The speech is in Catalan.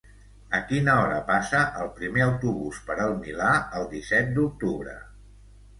A quina hora passa el primer autobús per el Milà el disset d'octubre?